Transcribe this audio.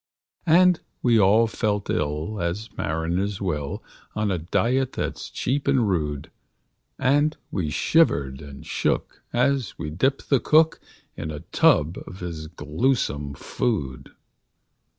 And we all felt ill as mariners will, On a diet that's cheap and rude; And we shivered and shook as we dipped the cook In a tub of his gluesome food.